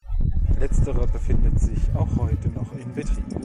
Letztere befindet sich auch heute noch in Betrieb.